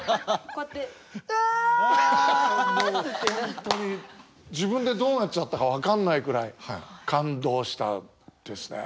本当に自分でどうなっちゃったか分かんないくらい感動したですね。